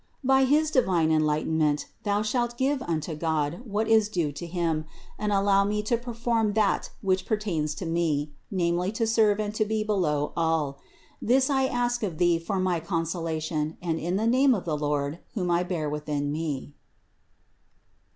By his divine enlightenment thou shalt give unto God, what is due to Him, and allow me to perform that which pertains to me, namely to serve and to be below all. This I ask of Thee for my consolation and in the name of the Lord, whom I bear within me."